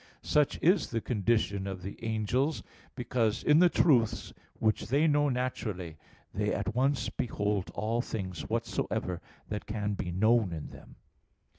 Such is the condition of the angels, because in the truths which they know naturally, they at once behold all things whatsoever that can be known in them.